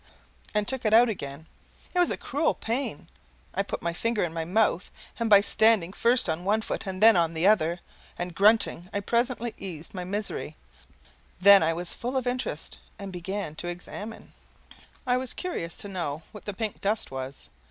and took it out again. It was a cruel pain. I put my finger in my mouth; and by standing first on one foot and then the other, and grunting, I presently eased my misery; then I was full of interest, and began to examine. I was curious to know what the pink dust was.